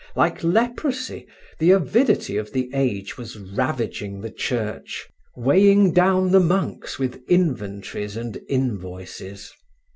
Like leprosy, the avidity of the age was ravaging the Church, weighing down the monks with inventories and invoices.